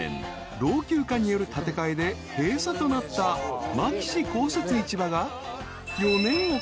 老朽化による建て替えで閉鎖となった牧志公設市場が］